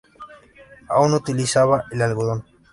Aún no utilizaba el algodón.